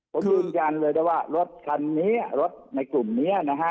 ผมยืนยันเลยได้ว่ารถคันนี้รถในกลุ่มนี้นะฮะ